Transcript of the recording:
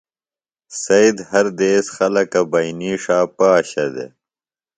سید ہر دیس خلکہ بئینی ݜا پاشہ دےۡ۔